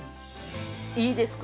◆いいですか。